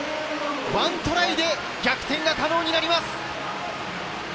１トライで逆転が可能になります。